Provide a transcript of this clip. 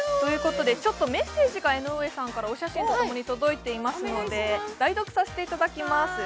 メッセージが江上さんからお写真と共に届いていますので代読させていただきます。